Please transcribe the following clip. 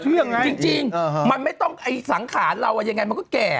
มันก็เชื่อไงจริงมันไม่ต้องสังขารเรายังไงมันก็แก่